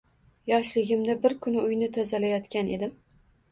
Yoshligimda, bir kuni uyni tozalayotgan edim